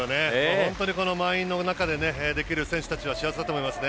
本当に、満員の中でできる選手たちは幸せだと思いますね。